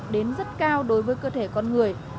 đến rất cao đối với cơ thể con người